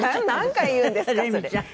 何回言うんですかそれ！